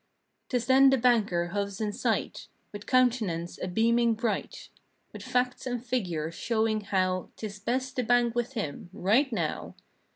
'Tis then the banker hoves in sight. With countenance a beaming bright; With facts and figures showing how 'Tis best to bank with him—right now.